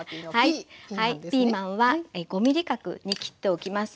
ピーマンは５ｍｍ角に切っておきます。